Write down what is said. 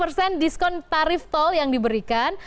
sepuluh persen diskon tarif tol yang diberikan